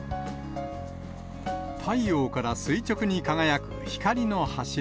太陽から垂直に輝く光の柱。